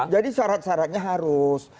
jadi syarat syaratnya harus